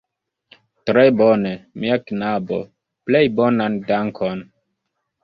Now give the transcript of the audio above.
Tre bone, mia knabo, plej bonan dankon!